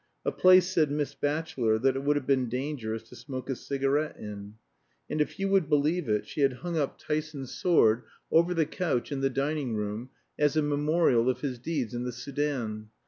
A place, said Miss Batchelor, that it would have been dangerous to smoke a cigarette in. And if you would believe it, she had hung up Tyson's sword over the couch in the dining room, as a memorial of his deeds in the Soudan.